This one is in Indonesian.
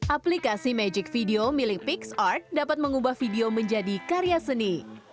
aplikasi magic video milik pix art dapat mengubah video menjadi karya seni